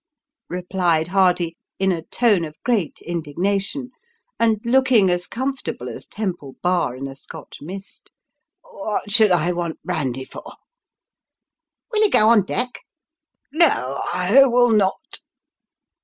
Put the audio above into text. " replied Hardy in a tone of great indignation, and looking as comfortable as Temple Bar in a Scotch mist ;" what should I want brandy for ?"" Will you go on deck ?"" No, I will not."